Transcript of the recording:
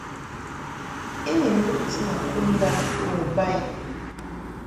I ni nduʼti ma kud ndab bo ba i.